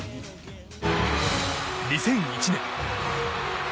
２００１年。